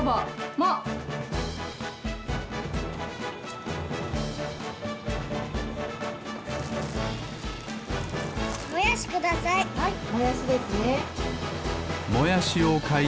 もやしください。